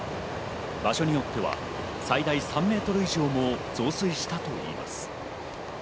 場所によっては最大３メートル以上も増水したといいます。